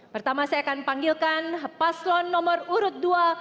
pertama saya akan panggilkan paslon nomor urut dua